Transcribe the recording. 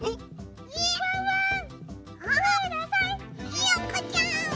ひよこちゃん！